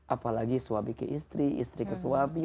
apalagi suami ke istri istri ke suami